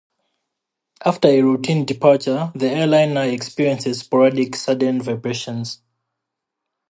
After a routine departure, the airliner experiences sporadic sudden vibrations.